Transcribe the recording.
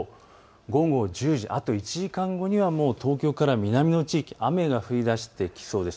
午後１０時、あと１時間後には東京から南の地域、雨が降りだしてきそうです。